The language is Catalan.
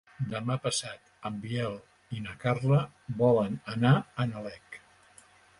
Demà passat en Biel i na Carla volen anar a Nalec.